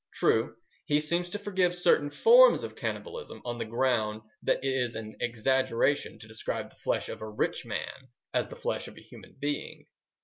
True, he seems to forgive certain forms of cannibalism on the ground that it is an exaggeration to describe the flesh of a rich man as the flesh of a human being.